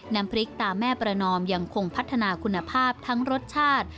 น้ำพริกตาแม่ประนอมยังคงพัฒนาคุณภาพทั้งรสชาติ